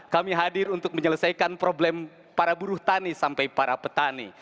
kami hadir untuk menyelesaikan problem para buruh tani sampai para petani